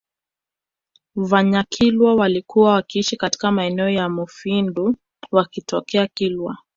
Vanyakilwa walikuwa wakiishi katika maeneo ya Mufindi wakitokea Kilwa